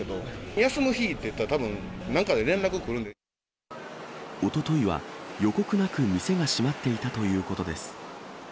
休む日ってなったら、たぶん、おとといは予告なく店が閉まっていたということです。